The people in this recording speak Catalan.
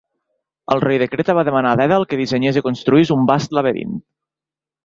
El rei de Creta va demanar Dèdal que dissenyés i construís un vast laberint.